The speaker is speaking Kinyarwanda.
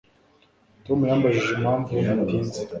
Tom yambajije impamvu natinze